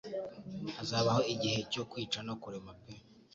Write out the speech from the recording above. Hazabaho igihe cyo kwica no kurema pe